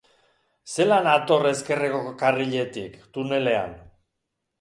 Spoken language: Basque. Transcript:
Zelan hator ezkerreko karriletik, tunelean?